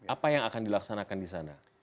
apa yang akan dilaksanakan di sana